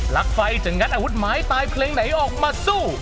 ลักไฟจะงัดอาวุธไม้ตายเพลงไหนออกมาสู้